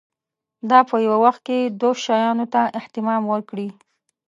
دا په یوه وخت کې دوو شیانو ته اهتمام وکړي.